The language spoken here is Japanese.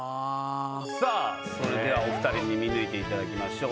さぁそれではお２人に見抜いていただきましょう。